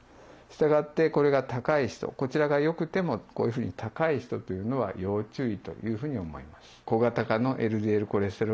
従ってこれが高い人こちらがよくてもこういうふうに高い人というのは要注意というふうに思います。